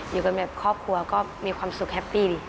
อยู่กันแบบครอบครัวก็มีความสุขแฮปปี้ดี